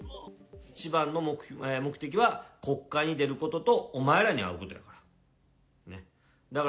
一番の目的は、国会に出ることと、お前らに会うことやから。